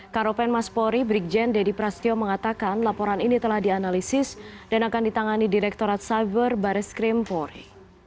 karopen mas pori brigjen deddy prastyo mengatakan laporan ini telah dianalisis dan akan ditangani direkturat cyber barres krim pori